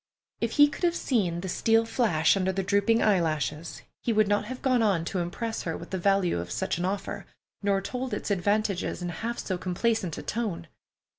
If he could have seen the steel flash under the drooping eyelashes, he would not have gone on to impress her with the value of such an offer, nor told its advantages in half so complacent a tone.